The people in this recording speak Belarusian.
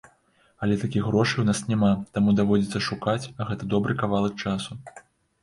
Але такіх грошай у нас няма, таму даводзіцца шукаць, а гэты добры кавалак часу.